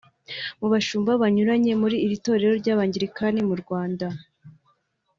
mu bashumba banyuranye muri iri torero ry’Abangilikani mu Rwanda